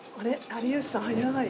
有吉さん早い。